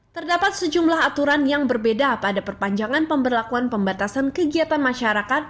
terdapat sejumlah aturan yang berbeda pada perpanjangan pemberlakuan pembatasan kegiatan masyarakat